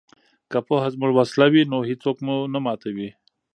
که پوهه زموږ وسله وي نو هیڅوک مو نه ماتوي.